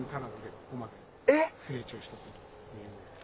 ここまで成長したという。